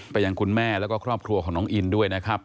ยังคุณแม่แล้วก็ครอบครัวของน้องอินด้วยนะครับ